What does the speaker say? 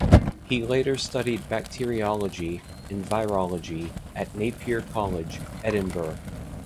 He later studied bacteriology and virology at Napier College, Edinburgh.